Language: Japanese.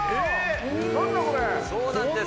そうなんです。